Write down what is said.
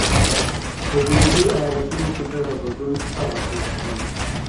په جنوبي ایالتونو کې دغه بدلون سر راپورته کړ.